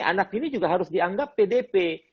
anak ini juga harus dianggap pdp